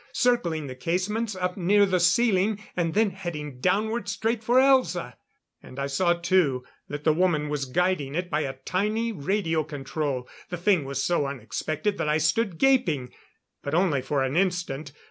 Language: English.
Circling the casements up near the ceiling, and then heading downward straight for Elza! And I saw, too, that the woman was guiding it by a tiny radio control. The thing was so unexpected that I stood gaping. But only for an instant.